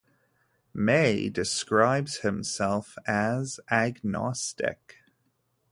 May describes himself as agnostic.